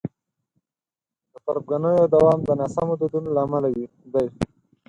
د تربګنیو دوام د ناسمو دودونو له امله دی.